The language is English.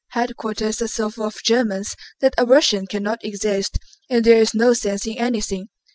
Headquarters are so full of Germans that a Russian cannot exist and there is no sense in anything.